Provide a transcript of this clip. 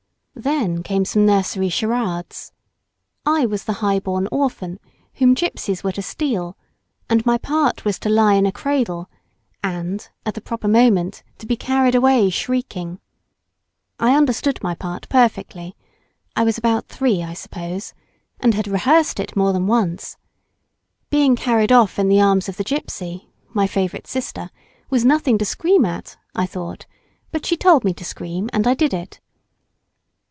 Then came some nursery charades. I was the high born orphan, whom gipsies were to steal, and my part was to lie in a cradle, and, at the proper moment to be carried away shrieking. I understood my part perfectly—I was about three, I suppose—and had rehearsed it more than once. Being carried off in the arms of the gipsy (my favourite sister) was nothing to scream at, I thought, but she told me to scream, and I did it.